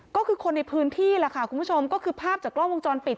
ก็คือคนในพื้นที่แหละค่ะคุณผู้ชมก็คือภาพจากกล้องวงจรปิด